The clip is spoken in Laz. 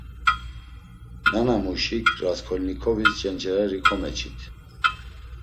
Nanamuşik Rasǩolnikovis cenç̌areri komeçit.